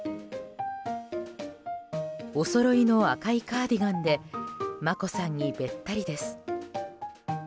おそろいの赤いカーディガンで眞子さんにべったりです。